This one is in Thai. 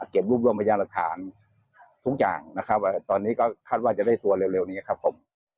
เก็บรูปรวมรวมพยานหลักฐานทุกอย่างตอนนี้คาดว่าจะได้ตัวเร็วนี้ครับผม